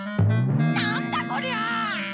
なんだこりゃ！